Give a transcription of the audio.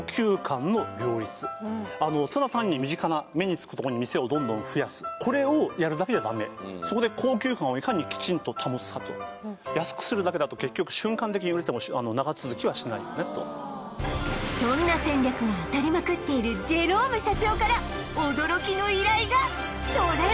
ただ単に身近な目につくとこに店をどんどん増やすこれをやるだけじゃダメそこで高級感をいかにきちんと保つかと安くするだけだと結局瞬間的に売れても長続きはしないよねとそんな戦略が当たりまくっているそれは番組の商品開発部メンバーの一人に